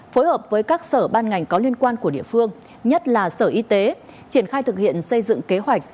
phối hợp với các sở ban ngành có liên quan của địa phương nhất là sở y tế triển khai thực hiện xây dựng kế hoạch